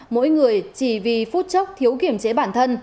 mỗi người chỉ vì phút chốc thiếu kiểm chế bản thân